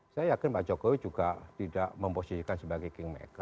saya yakin pak jokowi juga tidak memposisikan sebagai kingmaker